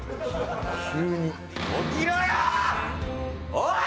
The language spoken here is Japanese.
おい！